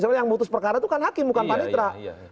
soalnya yang mutus perkara itu kan hakim bukan panitra